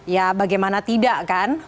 ya bagaimana tidak kan